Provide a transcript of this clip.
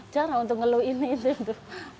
jarang untuk ngeluh ini ini itu